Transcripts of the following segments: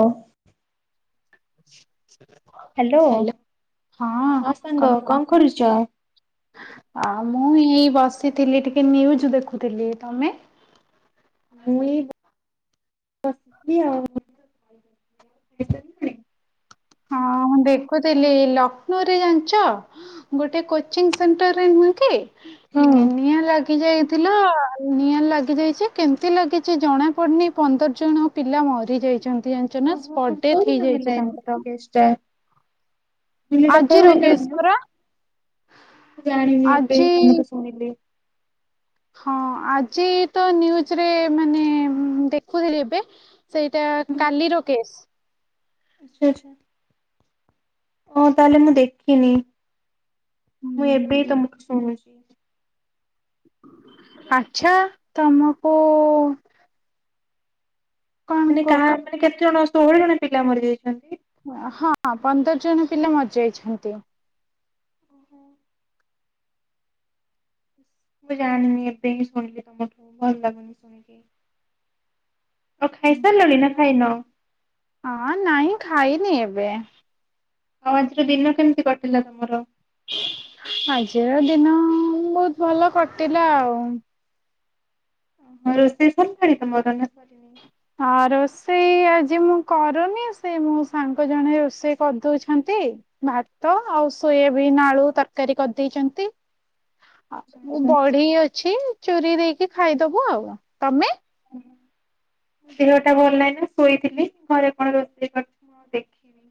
ଓ [inaudible] hello ହଁ ସାଙ୍ଗ କହ କଣ କରୁଛ? ମୁଁ ଏଇ ବସିଥିଲି ଟିକେ ନିୁଉଜ ଦେଖୁଥିଲି, ତମେ? ମୁଁ ଏ ବସିଚି ଆଉ ହଁ ଦେଖୁଥିଲି ଲକ୍ଷ୍ନୌ ରେ ଜାଣିଛ ଗୋଟେ କୋଚିଂ ସେଣ୍ଟରରେ ନୁହେଁ କି? ହୁଁ। ଏନିଆଁ ଲା ଯାଇଥିଲା ନିଆଁ ଲାଗି ଯାଇଛି କେମିତି ଲାଗିଛି ଜଣା ପଡିନି ପନ୍ଦର ଜଣ ପିଲା ମରିଯାଇଛନ୍ତି। ଜାଣିଚ ନା ସ୍ପଟ୍ ଡେଥ୍ ହେଇଯାଇଛି ତାଙ୍କର। [inaudible] ମୁଁ କହିଲି ଏଇଟା କଣ ଆଜିର ହେଇଥିଲା କେସ୍ ପରା ସେଦିନ ଜାଣିନି ମୁଁ ଏବେ ହି ଆଜି ତମଠୁ ଶୁଣିଲି। ହଁ ଆଜି ତ ୁଜରେ ମାନେ ଦେଖୁଥିଲି ଏବେ ସେଇଟା କାଲିର କେଶ୍। ଆଛା ଆଛା। ହଁ ତାହେଲେ ମୁଁ ଦେଖିନି ମୁଁ ଏବେ ହିଁ ହୁଁ ତମଠୁ ଶୁଣୁଛି। ଆଚ୍ଛା ତମକୁ କଣ ମାନେ କାହା କୁହ କେତେ? କେତେ ଜଣ ଷୋହଳ ଜଣ ପିଲା ମରିଯାଇଛନ୍ତି? ହଁ, ପନ୍ଦର ଜଣ ପିଲା ମରିଯାଇଛନ୍ତି। ଓହୋ [inaudible] ମୁଁ ଜାଣିନି, ଏବେ ହିଁ ସୁଣିଲି ତମଠୁ ଭଲ ଲାଗୁନି ସୁଣିକି। ଆଉ, ଖାଇସାରିଳଣି ନା ଖାଇନ? ହଁ ନାଇଁ ଖାଇନି ଏବେ ଆଉ ଆଜିର ଦିନ କେମିତି କଟିଲା ତମର? ଆଜିର ଦିନ ବହୁତ ଭଲ କଟିଲା ଆଉ ହଁ ରୋଷେଇ ସରିଲାଣି ତମର ନା? ହଁ ରୋଷେଇ ଆଜି ମୁଁ କରୁନି ସେ ମୋ ସାଙ୍ଗ ଜଣେ ରୋଷେଇ କରିଦଉଛନ୍ତି ଭାତ ଆଉ ସୋୟାବିନ୍ ଆଳୁ ତରକାରୀ କରିଦେଇଛନ୍ତି। ଆଉ ଆଚ୍ଛା ମୁଁ ଆଚ୍ଛା। ବଡି ଅ ଅଛି ଚୁରି ଦେଇକି ଖାଇଦବୁ ଆଉ ତମେ? ମୋ ଦେହ ଟା ଭଲ ନାହି ନା ଶୋଇଥିଲି ଘରେ କଣ ରୋଷେଇ କରିଛନ୍ତି ମୁଁ ଦେଖିନି।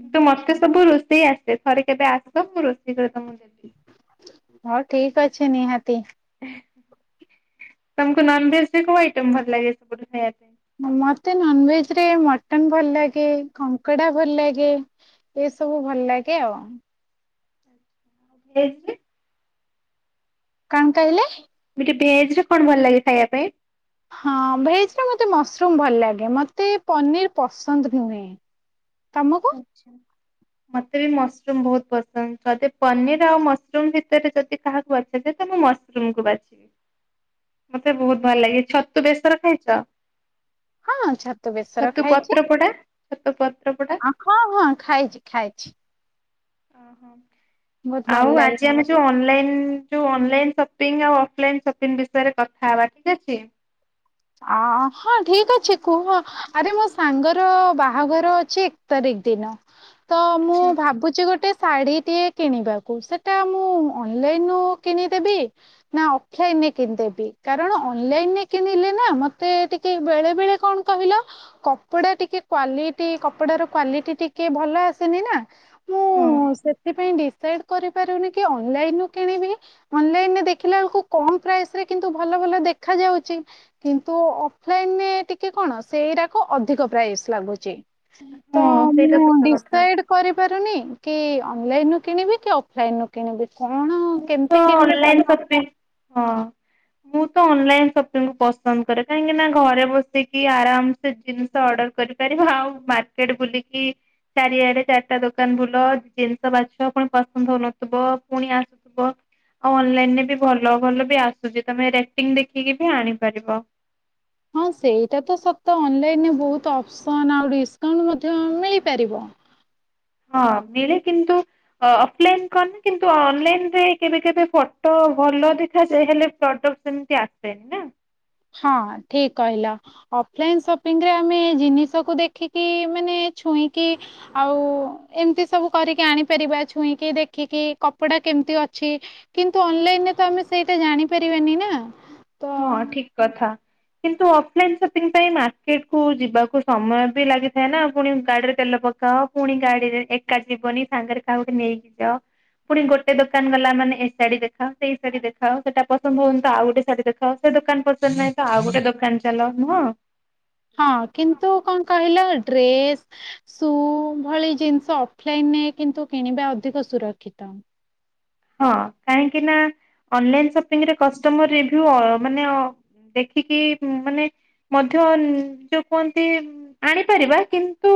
କିନ୍ତୁ ମତେ, ସବୁ ରୋଷେଇ ଆସେ ଥରେ କେବେ ଆସସ ମୁଁ ରୋଷେଇ କରେ ତମକୁ ଦେବି। ହଁ ଠିକ ଅଛି ନିହାତି ତମକୁ ନନ ଭେଜ ରେ କୋଉ ଆଇଟମ ଭଲ ଲାଗେ ସେ ମତେ ନନ୍ ଭେଜ ଥିରେ ମଟନ ଭଲ ଲାଗେ, କଙ୍କଡା ଭଲ ଲାଗେ ଏ ସବୁ ଭଲ ଲାଗେ ଆଉ । [unintelligible] କଣ କହିଲେ? ସେ ଭେଜ ରେ କଣ ଭଲ ଲାଗେ ଖାଇବା ପାଇଁ? ହଁ ଭେଜରେ ମୋତେ ମସରୁମ୍ ଭଲ ଲାଗେ ମୋତେ ପନିର୍ ପସନ୍ଦ ନୁହେଁ । ଆଚ୍ଛା । ମତେ ବି ମସରୁମ ବହୁତ ପସନ୍ଦ ଯଦି ପନିର ଆଉ ମସରୁମ ଭିତରେ ଯଦି କାହାକୁ ବଛା ଯାଏ ତ ମୁଁ ମସରୁମକୁୁ ବାଛିବି । ମତେ ବହୁତ ଭଲ ଲାଗେ ଛତୁ ବେସର ଖାଇଛ । ହଁ ଛତୁ ବେସର ଖାଇଛି । ଛତୁପତ୍ର ପଡ଼ା । ହଁ ହଁ ଖାଇଛି ଖାଇଛି । ଓହୋ । ଭଲ ଆଉ ଲାଗେ ଆଜି ଆମେ ଯୋଉ ଅନଲାଇନ ଯୋଉ ଅନଲାଇନ୍ ସପିଙ୍ଗଆଉ ଅଫଲାଇନ ସପିଙ୍ଗ ବିଷୟରେ କଥା ହବା ଠିକ ଅଛି । ଅ ହଁ ଠିକ ଅଛି କୁହ ଆରେ ମୋ ସାଙ୍ଗର ବାହାଘର ଅଛି ଏକ ତାରିଖ ଦିନ ତ ମୁଁ ଆଚ୍ଛା ଆଚ୍ଛା। ଭାବୁଛି ଗୋଟେ ଶାଢୀଟିଏ କିଣିବାକୁ ସେଟା ମୁଁ ଅନଲାଇନରୁ କିଣିଦେବି ନା ଅକ୍ଷନରେ କିଣିଦେବି । କାରଣ ଅନଲାଇନରେ କିଣିଲେ ନା ମତେ ଟିକେ ବେଳେ ବେଳେ କଣ କହିଲ କପଡା ଟିକେ କ୍ଵାଲିଟି କପଡାର କ୍ଵାଲିଟି ଟିକେ ଭଲ ଆସେନି ନା ମୁଁ ହଁ ସେଥିପାଇଁ ସେଟ୍ କରିପାରୁନି କି ଅନଲାଇନ ରୁ କିଣିବି ଅନଲାଇନ ଦେଖିଲା ବେଳକୁ କମ ପ୍ରାଇସରେ କିନ୍ତୁ ଭଲ ଭଲ ଦେଖା ଯାଉଛି। କିନ୍ତୁ ଅଫଲାଇନ ଟିକେ କଣ ସେଇଟାକ ଅଧିକ ପ୍ରାଇସ୍ ଲାଗୁଛି । ତ ହଁ ମୁଁ ସେଇଟା ସତ କଥା। ଡିସାଇଡ କରିପାରୁନି କି ଅନଲାଇନ ରୁ କିଣିବି କି ଅଫଲାଇନ ରୁ କିଣିବି । ମୁଁ ତ ଅନଲାଇନ ସପିଙ୍ଗ ହଁ । ମୁଁ ତ ଅନଲାଇନ ସପିଙ୍ଗ ପସନ୍ଦ କରେ କାହିଁକି ନା ଘରେ ବସିକି ଆରାମସେ ଜିନିଷ ଅର୍ଡର କରିପାରିବ ଆଉ ମାର୍କେଟ ବୁଲିକି ଚାରିଆଡେ ଚାରିଟା ଦୋକାନ ବୁଲ ଜିନିଷ ବାଛ ପୁଣି ପସନ୍ଦ ହଉନଥିବ ପୁଣି ଆସୁ ଆଉ ଅନଲାଇନରେ ବି ଭଲ ଭଲ ବି ଆସୁଛି ତମେ ରେଟିଂ ଦେଖିକି ବି ଆଣିପାରିବ । ହଁ ସେଇଟା ତ ସତ ଅନଲାଇନରେ ବହୁତ ଅପସନ୍ ଆଉ ଡିସକାଉଣ୍ଟ ମଧ୍ୟ ମିଳିପାରିବ । ହଁ ମିଳେ କିନ୍ତୁ ଅଫଲାଇନ କନ କିନ୍ତୁ ଅନଲାଇନରେ କେବେ କେବେ ଫଟୋ ଭଲ ଦେଖାଯାଏ ହେଲେ ପ୍ରଡକ୍ଟ ସେମିତି ଆସେନି ନା । ହଁ ଠିକ କହିଲା ଅଫଲାଇନ ସପିଙ୍ଗରେ ଆମେ ଜିନିଷକୁ ଦେଖିକି ମାନେ ଛୁଇଁକି ଆଉ ଏମିତି ସବୁ କରିକି ଆଣିପାରିବା ଛୁଇଁକି ଦେଖିକି କପଡା କେମିତି ଅଛି କିନ୍ତୁ ଅନଲାଇନ ରେ ତ ଆମେ ସେଇଟା ଜାଣିପାରିବାନି ନା । ହଁ ଠିକ କଥା । କିନ୍ତୁ ଅଫଲାଇନ ସପିଙ୍ଗ ପାଇଁ ମାର୍କେଟ କୁ ଯିବାକୁ ସମୟ ବି ଲାଗିଥାଏ ନା ପୁଣି ଗାଡିରେ ତେଲ ପକାଅ ପୁଣି ଗାଡିରେ ଏକା ଯିବନି ସାଙ୍ଗରେ କାହା ଗୋଠେ ନେଇକି ଯାଅ ପୁଣି ଗୋଟେ ଦୋକାନ ଗଲା ମାନେ ଏ ଶାଢୀ ଦେଖାଅ ସେଇ ଶାଢୀ ଦେଖାଅ ସେଇଟା ପସନ୍ଦ ହଉନି ଟା ଆଉ ଗୋଟେ ଶାଢୀ ଦେଖ ତ ସେ ଦୋକାନ ପସନ୍ଦ ନାହିଁ ତ ଆଉ ଗୋଟେ ଦୋକାନ ଚାଲ ନୁହଁ। ହଁ କିନ୍ତୁ କଣ କହିଲ ଡ୍ରେସ ସୁ ଭଳି ଜିନିଷ ଅଫଲାଇନରେ କିନ୍ତୁ କିଣିବା ଅଧିକ ସୁରକ୍ଷିତ। ହଁ କାହିଁକି ନା ଅନଲାଇନ ସପିଂରେ କଷ୍ଟମର ରିଭ୍ୟୁ ମାନେ ଦେଖିକି ମାନେ ମଧ୍ୟ ଯୋଉ କୁହନ୍ତି ଆଣିପାରିବା କିନ୍ତୁ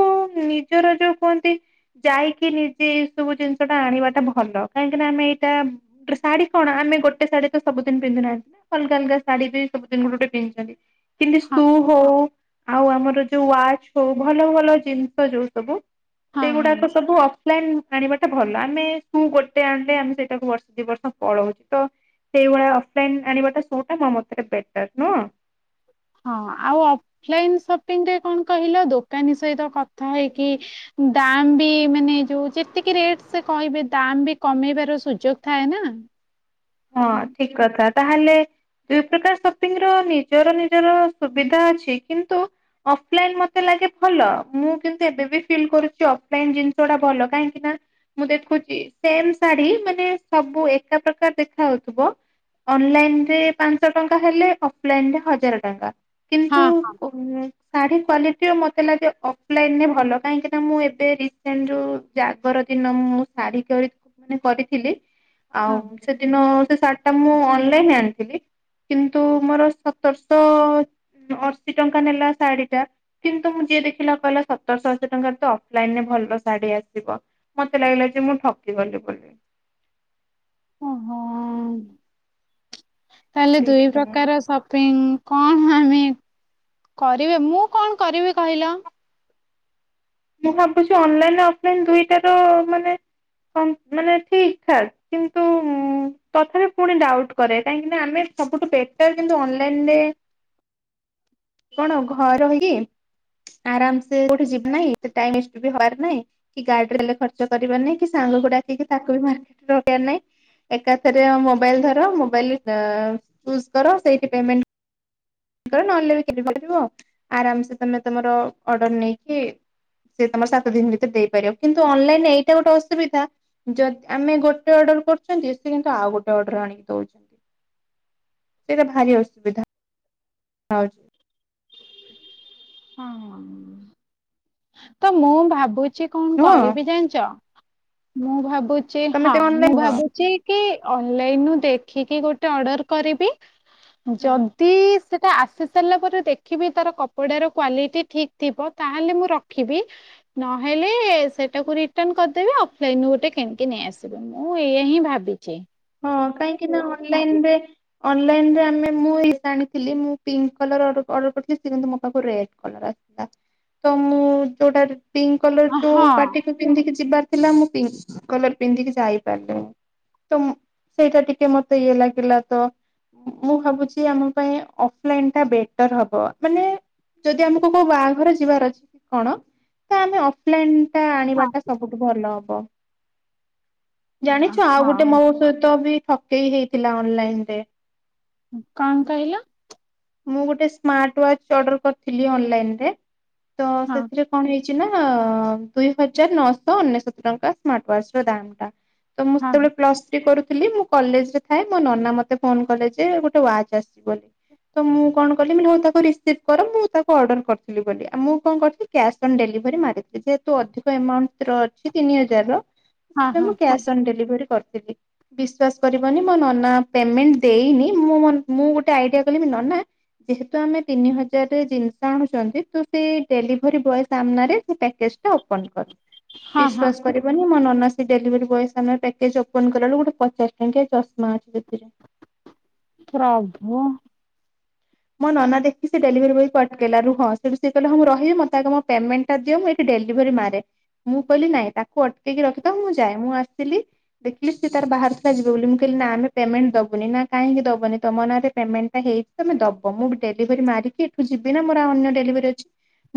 ନିଜର ଯୋଉ କୁହନ୍ତି ଯାଇକି ନିଜେ ଏଇ ସବୁ ଜିନିଷ ଟା ଆଣିବାଟା ଭଲ କାହିଁ କାଁକି ନା ଆମେ ଏଇଟା ଶାଢୀ କଣ ଆମେ ଗୋଟେ ଶାଢ଼ୀ ସବୁଦିନ ପିନ୍ଧୁ ନହାନ୍ତି ନା ଅଲଗା ଅଲଗା ଶାଢୀ ବି ସବୁଦିନ ଗୋଟେ ଗୋଟେ ପିଧିଛନ୍ତି । କିନ୍ତୁ ହଁ ସ୍ତୁ ହଉ । ଆଉ ଆମର ଯୋଉ ୱାଚ ହଉ ଭଲ ଭଲ ଜିନିଷ ଯୋଉ ସବୁ ହଁ ହଁ। ସେଇଗୁଡାକ ସବୁ ଅ ଆଣିବା ଟା ଭଲ ଆମେ ଗୋଟେ ଗୋଟ ଆଣିଲେ ଆମେ ସେଇଟାକୁ ବର୍ଷ ଦି ବର୍ଷ ପଳଉଛୁ ତ ସେଇଭଳିଆ ଅଫଲାଇନ ଆଣିବାଟା ସୁଟ୍ ମୋ ମତରେ ବେଟର ନୁହଁ। ହଁ ଆଉ ଅଫଲାଇନ ସପିଂ ରେ କଣ କହିଲ ଦୋକାନୀ ସହିତ କଥା ହେଇକି ଦାମ ବି ମାନେ ଯୋଉ ଯେତିକି ରେଟ ସେ କହିବେ ଦାମ ବି କମେଇବାର ସୁଯୋଗ ଥାଏ ନା। ହଁ ଠିକ କଥା। ତାହେଲେ ଦୁଇ ପ୍ରକାର ସପିଙ୍ଗ ର ନିଜର ନିଜର ସୁବିଧା ଅଛି କିନ୍ତୁ ଅଫଲାଇନ ମତେ ଲାଗେ ଭଲ ମୁଁ କିନ୍ତୁ ଏବେ ବି ଫିଲ୍ କରୁଛି ଅଫଲାଇନ ଜିନିଷ ଗୁଡା ଭଲ କାହିଁକି ନା ମୁଁ ଦେଖୁଛି ସେମ ଶାଢ଼ୀ ମାନେ ସବୁ ଏକା ପ୍ରକାର ଦେଖ ହଉଥିବ ଅନଲାଇନ ରେ ପାଞ୍ଚ ଟଙ୍କା ହେଲେ ଅଫଲାଇନ ରେ ହଜାର ଟଙ୍କା। ହଁ କିନ୍ତୁ ଉଁ ଶାଢ଼ୀ କ୍ୱାଲିଟି ଟିକେ ମୋତେ ଲାଗେ ଅଫଲାଇନରେ ଭଲ କାହିଁକିନା ମୁଁ ଏବେ ରିସେଣ୍ଟ ଯେଉଁ ଜାଗର ଦିନ ମୁଁ ଶାଢ଼ୀ ମାନେ କରିଥିଲି ଆଉ ହଁ ସେ ସେ ଶାଢୀଟା ମୁଁ ଅନଲାଇନ ଆଣିଥିଲି କିନ୍ତୁ ମୋର ସତରଶହ ଅଶୀ ଟଙ୍କା ନେଲା ଶାଢ଼ୀଟା କିନ୍ତୁ ମୁଁ ଯିଏ ଦେଖିଲା କହିଲା ସତରଶହ ଅଶୀ ଟଙ୍କା ତ ଅଫଲାଇନରେ ଭଲ ଶାଢ଼ୀ ଆସିବ ମତେ ଲାଗିଲା ଯେ ମୁଁ ଠକିଗଲି ବୋଲି। ଓହୋ ତାହେଲେ ଦୁଇ ସେଇଥିପାଇଁ ପ୍ରକାର ସପିଙ୍ଗ କଣ [unintelligible] କରିବେ ମୁଁ କଣ କରିବି କହିଲ? ମୁଁ ଭାବୁଛି ଅନଲାଇନ ଅଫଲାଇନ ଦୁଇଟାର ମାନେ ମାନେ ଠିକ ଠାକ୍ କିନ୍ତୁ ତଥାପି ପୁଣି ଡାଉଟ୍ କରେ କାହିଁକି ନା ଆମେ ସବୁଠୁ ବେଟର କିନ୍ତୁ ଅନଲାଇନରେ କଣ ଘରେ ରହିକି ଆରାମସେ କୁଆଡେ ଯିବାର ନାହିଁ ଟାଇଷ୍ଟ କି ଗାଡିଲରେ ଖର୍ଚ୍ଚ କରିବାର ନାହିଁ କି ସାଙ୍ଗକୁ ଡାକିକି ତାକୁ ବି ରହିବାର ନାହିଁ ଏକାଥରେ ମୋବାଇଲ ଧର ମୋବାଇଲ ଅ ଚୁଜ କର ସେଇଠି ପେମେଣ୍ଟ ନହେଲେ ବି କିଣିପାରିବ ଆରାମସେ ତମେ ତମର ଅର୍ଡର ନେଇକି ସେ ତମର ସାତ ଦିନ ଭିତରେ ଦେଇପାରିବ କିନ୍ତୁ ଅନଲାଇନରେ ଏଇଟା ଗୋଟେ ଅସୁବିଧା ଯ ଯଦି ଆମେ ଗୋଟେ ଅର୍ଡର କରୁଛନ୍ତି ସେ କିନ୍ତୁ ଆଉ ଗୋଟେ ଅର୍ଡ଼ର ଆଣିକି ଦଉଛନ୍ତି ସେଇଟା ଭାରି ଅସୁବିଧା। ହଉଛି। ହଁ ତ ମୁଁ ଭାବୁ ଛି କଣ ନୁହଁ କରିବି ଜାଣିଛ? ମୁଁ ଭାବୁ ଛି ତମେ ହଁ ଟିକେ ମୁଁ ଅନଲାଇନ କୁହ। ଭାବୁଛି କି ଅନଲାଇନ ଦେଖିକି ଗୋଟେ ଅର୍ଡର କରିବି। ଯଦି ସେଇଟା ଆସି ସାରିଲା ପରେ ଦେଖିବି ତାର କପଡ଼ା ର କ୍ଵାଲିଟି ଠିକ୍ ଥିବ ତାହେଲେ ମୁଁ ରଖିବି ନହେଲେ ସେଇଟାକୁ ରିଟର୍ଣ କରିଦେବି ଅଫଲାଇନୁ ଗୋଟେ କିଣିକି ନେଇ ଆସିବି ମୁଁ ଏଇ ହିଁ ଭାବିଛି। ହଁ କାହିଁକି ନା ଅନଲାଇନରେ ଅନଲାଇନରେ ଆମେ ମୁଁ ଏ ଆଣିଥିଲି ମୁଁ ପିଙ୍କ କଲର ଅର୍ଡର କରିଥିଲି ସେ କିନ୍ତୁ ମୋ ପାଖକୁ ରେଡ କଲର ଆସଥିଲା ତ ମୁଁ ସେଇଟା ରି ପିଙ୍କ କଲର ହଁ ଯୋଉ ପାଟିକୁ ପିନ୍ଧିକି ଯିବାର ଥିଲା ମୁଁ ପିଙ୍କ କଲର ପିନ୍ଧିକି ଯାଇପାରିଲିନି। ସେଇଟା ଟିକେ ମତେ ଇଏ ଲାଗିଲା ତ ମୁଁ ଭାବୁଛି ଆମ ପାଇଁ ଅଫଲାଇନ ଟା ବେଟର ହବ ମାନେ ଯଦି ଆମକୁ କୋଉ ବାହାଘର ଯିବାର ଅଛି କଣ ତ ଆମେ ଅଫଲାଇନ ଟା ହଁ ଆଣିବାଟା ସବୁଠୁ ଭଲ ହବ। ଜାଣିଛୁ ଆଉ ଗୋଟେ ହଁ ମୋ ସହ ତ ବି ଠକେଇ ହେଇଥିଲା ଅନଲାଇନ ରେ। କଣ କହିଲ? ମୁଁ ଗୋଟେ ସ୍ମାର୍ଟ ୱାଚ ଅର୍ଡର କରିଥିଲି ଅନଲାଇନରେ। ତ ହଁ ସେଥିରେ କଣ ହେଇ ଛି ନା ଦୁଇ ହଜାର ନଅଶହ ଅନେଶତ ଟଙ୍କା ସ୍ମାର୍ଟ ୱାଚ ର ଦାମ ଟା। ତ ମୁଁ ହଁ ସେତେବେଳେ ପ୍ଲସ୍ ଥ୍ରୀ କରୁ ଥିଲି ମୁଁ କଲେଜ ରେ ଥାଏ ମୋ ନନା ମତେ ଫୋନ କଲେ ଯେ ଗୋଟେ ୱାଚ ଆସିଛି ବୋଲି ତ ମୁଁ କଣ କଲି ହଉ ତାକୁ ରିସିଭ କର ମୁଁ ତାକୁ ଅର୍ଡର କରିଥିଲି ବୋଲି ମୁଁ କଣ କରିଥିଲି କ୍ୟାସ୍ ଅନ ଡେଲିଭରି ମାରିଥିଲି ଯେହେତୁ ଅଧିକ ଏମାଉଣ୍ଟ ର ଅଛି ତିନି ହଜାର । ହଁ ସେଥିପାଇଁ ମୁଁ ହଁ କ୍ୟାସ୍ ଅନ୍ ଡେଲିଭରି କରି। ସ [unintelligible] ବିଶ୍ଵାସ କରିବନି ମୋ ନନା ପେମେଣ୍ଟ ଦେଇନି ମୁଁ ମୁଁ ଗୋଟେ ଆଇଡିଆ କଲି କି ନନା ଯେହେତୁ ଆମେ ତିନି ହଜାର ଜିନିଷ ଆଣୁଛନ୍ତି ତ ସେ ଡେଲିଭରି ବୟ ସାମ୍ନାରେ ସେ ପ୍ୟାକେଜ ଟା ଓପନ କର। ହଁ ହଁ ବିଶ୍ଵାସ କରିବନି ମୋ ନନା। [unintelligible] ସେ ଡେଲିଭରୀ ବୟ ସାମ୍ନା ରେ ପ୍ୟାକେଜ ଓପନ୍ କଲା ବେଳକୁ ଗୋଟେ। ପଚାଶ ଟଙ୍କିଆ ଚଷମା ଅଛି । ପ୍ରଭୁ। ମୋ ନନା ଦେଖି ସେ ଡେଲିଭରି ବୟକୁ ଅଟକେଇଲା ରୁହ ହଁ ସେଠୁ ସେଏ କହିଲ ହ ମୁଁ ରହିବି ମତେ ଆଗ ମୋ ପେମେଣ୍ଟା ଟା ଦିଅ ମୁଁ ଏଠି ଡେଲିଭରି ମାରେ ମୁଁ କହିଲି ନାଇଁ ତାକୁ ଅଟକେଇକି ରଖିଥାଅ ମୁଁ ଯାଏ ମୁଁ ଆସିଲି ଦେଖିଲି ସି ତାର ବାହାରୁ ଥିଲା ଯିବ ବୋଲି ମୁଁ କହିଲି ନା ଆମେ ପେମେଣ୍ଟ ଦବୁନି ନା କାହିଁକି ଦବନି ତମ ନାଁରେ ପେମେଣ୍ଟା ଟା ହେଇଛି ତମେ ଦବ। ମୁଁ ଡେଲିଭରି ମାରିକି ଏଠୁ ଯିବି ନା ମୋର ଅନ୍ୟ ଡେଲିଭରି ଅଛି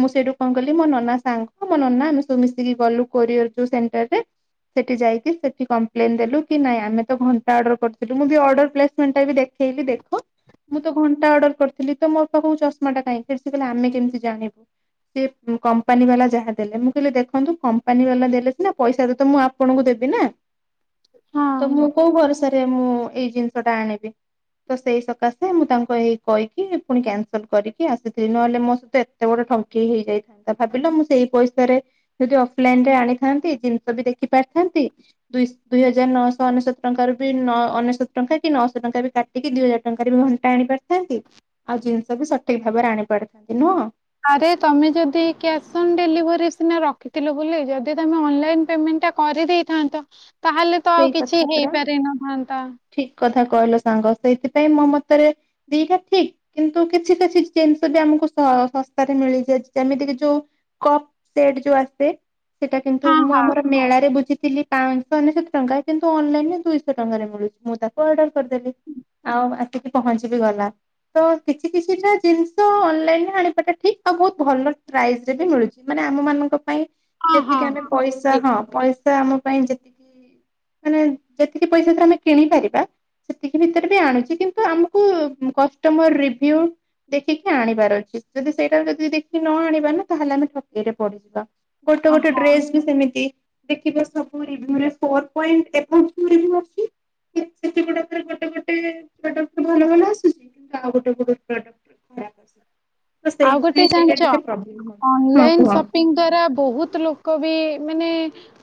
ମୁଁ ସେଇଠୁ କଣ କଲି ମୋ ନନା ସାଙ୍ଗ ମୋ ନନା ଆମେ ସବୁ ମିଶିକି ଗଲୁ କୋରିଅର ଯୋଉ ସେଣ୍ଟରରେ ସେଠି ଯାଇକି ସେଠି କଂପ୍ଲେନ୍ ଦେଲୁ କି ନାଇଁ ଆମେ ତ ଘଣ୍ଟା ଅର୍ଡର କରିଥିଲୁ ମୁଁ ବି ଅର୍ଡର ପ୍ଲେସମେଣ୍ଟ ଟା ଦେଖେଇଲି ଦେଖ ମୁଁ ତ ଘଣ୍ଟା ଆର୍ଡର । କରିଥିଲି ତ ମୋ ପାଖକୁ ଚଶମା ଟା କାହିଁକି ଆସିଛି ଆମେ କେମିତି ଜାଣିବୁ କମ୍ପାନୀ ବାଲା ଯାହା ଦେଲେ ମୁଁ କହିଲି ଦେଖନ୍ତୁ କମ୍ପାନୀ ବାଲା ଦେଲେ ସିନା ପଇସା ତ ମୁଁ ଆପଣଙ୍କୁ ଦେବିନା। ହଁ ତ ମୁଁ କୋଉ ଭରସା ରେ। ସେ ମୁଁ ଏଇ ଜିନିଷ ଟା ଆଣିବି ତ ସେଇ ସକାଶେ ମୁଁ ତାଙ୍କ ଏଇ। କହିକି ପୁଣି କ୍ୟାନସଲ କରିକି ଆସିଥିଲି ନହେଲେ ମୋ ସହିତ ଏତେ ବଡ ଠକେଇ ହେଇଯାଇଥାନ୍ତା ଭାବିଲ ମୁଁ ସେଇ ପଇସାରେ ଯଦି ଅଫଲାଇନ ରେ ଆଣିଥାନ୍ତି ଜିନିଷ ବି ଦେଖି ପାରିଥାନ୍ତି ଦୁଇସ ଦୁଇ ହଜାର ନଅଶହ ଅନେଶତ ଟଙ୍କାରୁ ବି ଅନେଶତ ଟଙ୍କା କି ନଅଶହ ଟଙ୍କା ବି କାଟିକି ଦିଇ ହଜାର ଟଙ୍କାରେ ବି ଘଣ୍ଟା ଆଣିପାରିଥା। ନ୍ତି ଆଉ ଜିନିଷ ବି ସଠିକ ଭାବରେ ଆଣି ପାରିଥାନ୍ତି ନୁହଁ। ଆରେ ତମେ ଯଦି କ୍ୟାସ୍ ଅନ୍ ଡେଲିଭରି ସିନା ରଖିଥିଲ ବୋଲି ଯଦି ତମେ ଅନଲାଇନ୍ ପେମେଣ୍ଟଟା କରିଦେଇଥାନ୍ତ। ତାହେଲେ ତ ଆଉ ସେଇ କିଛି କଥା ପରା ହେଇପାରିନଥାନ୍ତା। ଠିକ କଥା କହିଲ ସାଙ୍ଗ ସେଇଥିପାଇଁ ମୋ ମତରେ ଦିଟା ଠିକ କିନ୍ତୁ କିଛି କିଛି ଜିନିଷ ବି ଆମକୁ ଶ ଶସ୍ତାରେ ମିଳିଯାଏ ଯେମିତିକ ଯୋଉ କପ ସେଟ ଯୋଉ ଆସେ। ସେଟା କିନ୍ତୁ ହଁ ମୁଁ ଆମର ମେଳାରେ ବୁଝିଥିଲି। ପାଁଶହ ଅନେଶତ। ଟଙ୍କା କିନ୍ତୁ ଅନଲାଇନ ରେ ଦୁଇଶହ ଟଙ୍କାରେ ମିଳୁଛି ମୁଁ ତାକୁ ଅର୍ଡର କରିଦେଲି ଆଉ ଆସିକି ପହଞ୍ଚି ବିି ଗଲା ତ କିଛି କିଛିଟା ଜିନିଷ ଅନଲାଇନରେ ଆଣିବାଟା ଠିକ ଆଉ ବହୁତ ଭଲ ପ୍ରାଇସ ରେ ବି ମିଳୁଛି ମାନେ ଆମ ମାନଙ୍କ ପାଇଁ। ହଁ ହଁ ଯେତିକି ଆମେ ପଇସା ହଁ ପଇସା। ସେଟା ଆମ ପାଇଁ ଯେତିକି। ମାନେ ଯେତିକି ପଇସା ତ ଆମେ କିଣି ପାରିବା ସେତିକି ଭିତରେ ବି ଆଣୁଛି କିନ୍ତୁ ଆମକୁ କଷ୍ଟମର ରିଭ୍ୟୁ ଦେଖିକି ଆଣିବାର ଅଛି ଯଦି ସେଇଟା ଯଦି ଦେଖିକି ନ ଆଣିବା ନା ତାହେଲେ ଆମେ ଠକେଇରେ ପଡିଯିବା। ଗୋଟେ ଗୋଟେ ଓହୋ ଡ୍ରେସ ବି ସେମିତି। ଦେଖିିବା ସବୁ ରିଭ୍ୟୁ ରେ ଫୋର୍। ପଏଣ୍ଟ ଅବୋଭ ରିଭ୍ୟୁ ଅଛି, ଗୋଟେ ଗୋଟେ ପ୍ରଡକ୍ଟ ରେ ଭଲ ଭଲ ଆସୁଛି କିନ୍ତୁ ଆଉ ଗୋଟେ ଗୋଟେ ପ୍ରଡକ୍ଟ ରେ ଖରାପ ଆସୁଛି। ତ ଆଉ ଗୋଟେ ସେଇଥିପାଇଁ ସେଇଟା ଜାଣିଛ ଟିକେ ପ୍ରୋବ୍ଲେମ ହଉଛି ହଁ ଅନଲାଇନ କୁହ। ସପିଙ୍ଗ ଦ୍ଵାରା ବହୁତ। ବହୁତ ଲୋକ ବି ମାନେ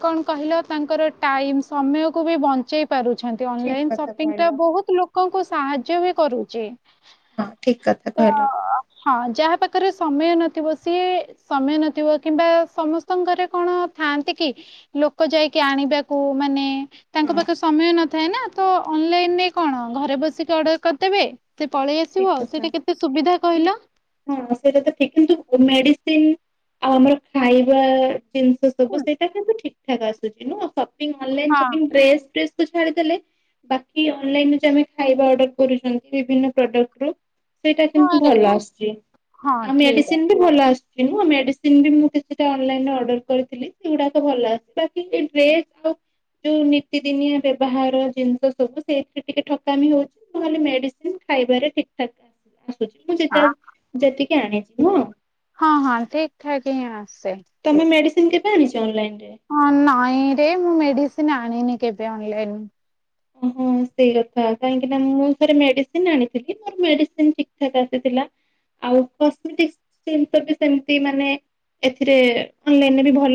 କଣ କହିଲ ତାଙ୍କର ଟାଇମ୍ସ ସମୟ କୁ ବି ବଞ୍ଚେଇ। ପାରୁଛନ୍ତି ଠିକ ଅନଲାଇନ କଥା କହିଲ ସଂପିଟା ବହୁତ ଲୋକ। ସାହାଯ୍ୟ ବି କରୁଚି। ହଁ ଠିକ କଥା କହିଲ। ହଁ ଯାହା ପାଖରେ ସମୟ ନଥିବ ସିଏ ସମୟ ନଥିବ କିମ୍ବା ସମସ୍ତଙ୍କ ଘରେ କଣ ଥାଆନ୍ତି କି ଲୋକ ଯାଇକି ଆଣିବାକୁ ମାନେ। ତାଙ୍କ ହଁ ପାଖେ ସମୟ ନ। ଥାଏ ନା ତ ଅନଲାଇନ ରେ କଣ ଘରେ ବସିକି ଅର୍ଡ଼ର କରିଦେବେ। ସେ ପଳେଇ ଆସିବ ଠିକ ଆଉ କଥା। ସେଇଟା କେତେ ସୁବିଧା କି କହିଲ। ହଁ ସେଇଟା ତ ଠିକ କିନ୍ତୁ ମେଡିସିନ ଆଉ ଆମର ଖାଇବା। ଜିନିଷ ସବୁ ସେଇଟା କିନ୍ତୁ ଠିକ। ଠିକ ଆସୁଚି ନୁହଁ । ଅନଲାଇନ୍ ସଂପି ଡ୍ରେସ ଫ୍ରେସ । ଛାଡ଼ିଦେଲେ ବାକି ଅନ ଲାଇନରୁ ଯୋଉ ଆମେ ଖାଇବା ଅର୍ଡର କରୁଛନ୍ତି ବିନା ପ୍ରଡକ୍ଟ ର। ସେଇଟା କିନ୍ତୁ ଭଲ ଆସୁଛି ଆଉ ମେଡିସିନ ବି ଭଲ ଆସୁଚି। ସେମିତି ନୁହଁ ମେଡିସିନ ବି କେତେଟା ଅନ ଲାଇନ ରେ ଅର୍ଡର କରିଥିଲି ସେଗୁଡ଼ାକ ଭଲ ଆସିଥିଲା ବାକି ଡ୍ରେସ ଯୋଉ ନିତିଦିନିଆ ବେବହାର ଜିନିଷ ସବୁ ସେଇଥିରେ ଟିକେ ଠକାମି ହଉଚି ନହେଲେ ମେଡିସିନ। ଖାଇବାରେ ଠିକ୍ ଠାକ୍। ମୁଁ ଯେତେ ବେଳେ ଯେତିକି। ଆଣିଛି ନୁହଁ। ହଁ ହଁ ଠିକ୍ ଠାକ୍ ହିଁ। ଆସେ ତମେ ମେଡ଼ିସିନ୍। କେବେ ଆଣିଚ ଅନ ଲାଇନ ରୁ। ହଁ ନାଇଁରେ ମୁଁ ମେଡିସିନ ଆ । ଆଣିନି କେବେ ଅନ ଲାଇନ ରୁ। ଓହୋ ସେଇ କଥା କାହିଁକି ନା ମୁଁ ଥରେ ମେଡ଼ିସିନ୍ ଆଣିଥିଲି ସବୁ ମେଡ଼ିସିନ୍ ଠିକ୍ ଠାକ୍ ଆସିଥିଲା ଆଉ କସ୍ମେଟିକ୍ସ ବି ସେମିତି ମାନେ ଏଥିରେ ଅନଲାଇନରେ ବି ଭଲ।